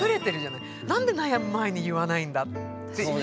「何で悩む前に言わないんだ」っていう。